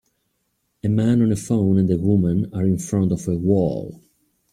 A man on a phone and a woman are in front of a wall.